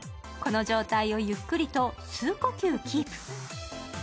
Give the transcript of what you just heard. この状態をゆっくりと数呼吸キープ。